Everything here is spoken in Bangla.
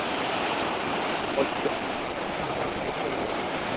আর অলিভ গার্ডেনে পাঁচটার সময় আমার যাওয়াটা ক্যান্সেল করো।